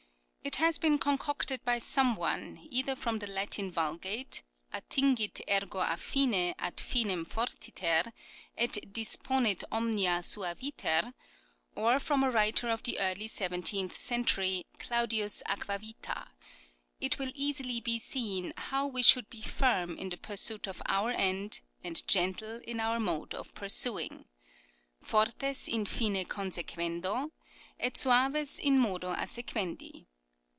It has been concocted by some one either from the Latin Vulgate (Wisdom of Solomon, viii. i), " Attingit ergo a fine ad finem fortiter, et disponit omnia suaviter," or from a writer of the early seventeenth century, Claudius Aquaviva (Jd Curandos Animce Morhos, cap. ii.) :" It will easily be seen how we should be firm in the pursuit of our end and gentle in our mode of pursuing "(" Fortes in fine consequendo et suaves in modo assequendi